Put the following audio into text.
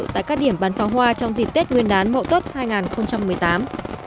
tại các điểm bắn pháo hoa trong dịp tết nguyên đán mậu tuất hai nghìn một mươi tám